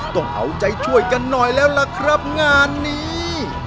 ต้องเอาใจช่วยกันหน่อยแล้วล่ะครับงานนี้